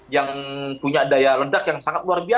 yang punya daya ledak yang sangat luar biasa